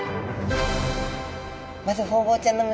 まずホウボウちゃんの胸びれ。